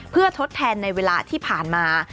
เพื่อทดแทนในเวลาที่ผ่านมา